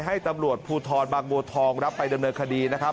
ให้ตำรวจภูทรบางบัวทองรับไปดำเนินคดีนะครับ